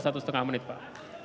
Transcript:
satu setengah menit pak